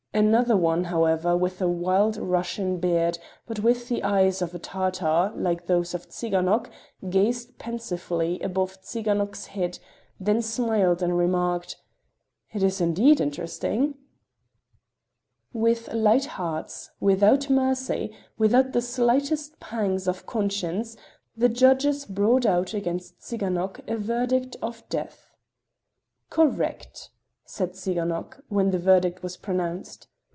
Another one, however, with a wild Russian beard, but with the eyes of a Tartar, like those of Tsiganok, gazed pensively above Tsiganok's head, then smiled and remarked: "It is indeed interesting." With light hearts, without mercy, without the slightest pangs of conscience, the judges brought out against Tsiganok a verdict of death. "Correct!" said Tsiganok, when the verdict was pronounced.